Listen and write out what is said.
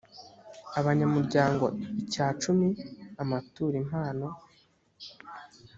abanyamuryango icyacumi amaturo impano